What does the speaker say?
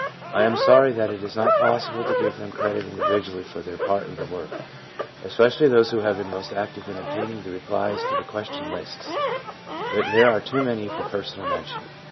I am sorry that it is not possible to give them credit individually for their part in the work, especially those who have been most active in obtaining replies to the question lists ; but there are too many for personal mention.